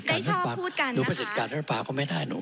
ได้ชอบพูดกันนะคะดูประเด็จการรัฐสภาเข้าไม่ได้หนู